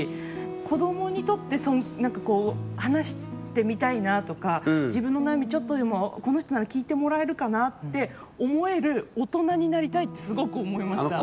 子どもにとってなんかこう、話してみたいなとか自分の悩み、ちょっとでもこの人なら聞いてもらえるかなって思える大人になりたいってすごく思いました。